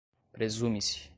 presume-se